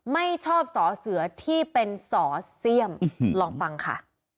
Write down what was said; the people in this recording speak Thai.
ไม่ชอบสเสที่เป็นสเสลองฟังค่ะ